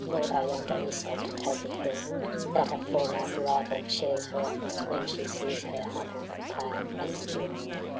Nor thy younger Iseult take it ill. That a former rival shares her office. When she sees her humbled, pale, and still.